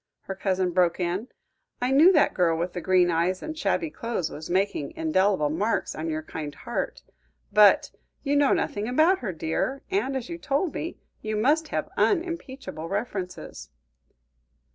her cousin broke in. "I knew that girl with the green eyes and shabby clothes was making indelible marks on your kind heart. But you know nothing about her, dear, and, as you told me, you must have unimpeachable references."